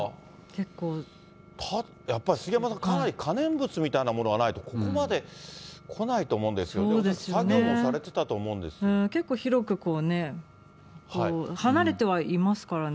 やっぱり杉山さん、かなり可燃物みたいなものがないと、ここまで来ないと思うんですけど、結構広くこう、離れてはいますからね。